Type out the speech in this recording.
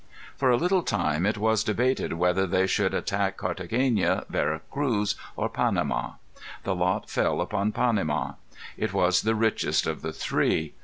For a little time, it was debated whether they should attack Carthagena, Vera Cruz, or Panama. The lot fell upon Panama. It was the richest of the three.